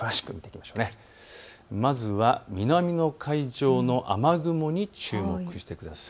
まずは南の海上の雨雲に注目してください。